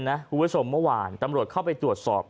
คุณผู้ชมเมื่อวานตำรวจเข้าไปตรวจสอบ